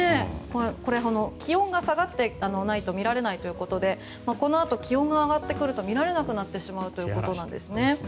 気温が下がってないと見られないということでこのあと、気温が上がってくると見られなくなってしまうんです。